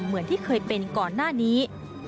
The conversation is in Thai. เหมือนที่เคยเป็นก่อนหน้านี้